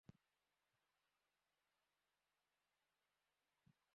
পরের দিন আলতাফ হোসেনসহ ছয়জন হাইকোর্টের অতিরিক্ত বিচারক হিসেবে শপথ নেন।